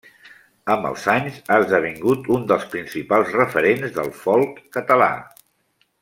Amb els anys ha esdevingut un dels principals referents del folk català.